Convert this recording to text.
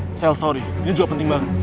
michelle sorry ini juga penting banget